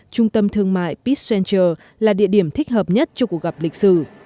trung tâm thương mại pis center là địa điểm thích hợp nhất cho cuộc gặp lịch sử